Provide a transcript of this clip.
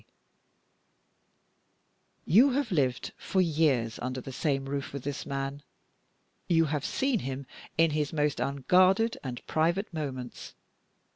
You have lived for years under the same roof with this man; you have seen him in his most unguarded and private moments.